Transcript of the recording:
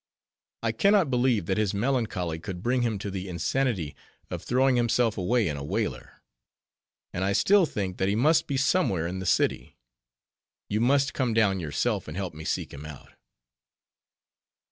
I can not believe that his melancholy could bring him to the insanity of throwing himself away in a whaler; and I still think, that he must be somewhere in the city. You must come down yourself, and help me seek him out."